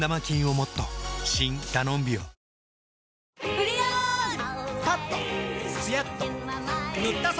「プリオール」！